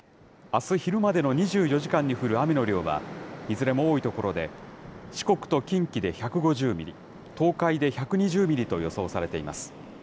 あす昼までの２４時間に降る雨の量は、いずれも多い所で、四国と近畿で１５０ミリ、東海で１２０ミリと予想されています。